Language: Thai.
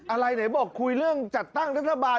อะไรไหนบอกคุยเรื่องจัดตั้งรัฐบาล